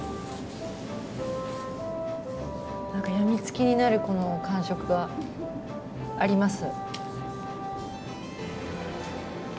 何か病みつきになるこの感触はあります。